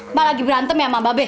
mbak lagi berantem ya sama mbak be